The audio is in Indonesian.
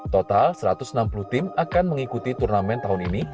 total satu ratus enam puluh tim akan mengikuti turnamen tahun ini